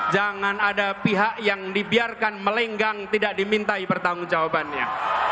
jangan ada pihak yang dibiarkan melenggang tidak dimintai pertanggung jawabannya